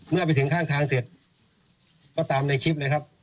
เมื่อไปถึงข้างทางเสร็จก็ตามในคลิปเลยครับ